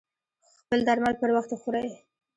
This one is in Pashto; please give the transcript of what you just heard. خپل درمل پر وخت وخوری